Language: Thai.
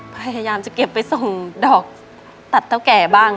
พยายามจะเก็บไปส่งดอกตัดเท่าแก่บ้าง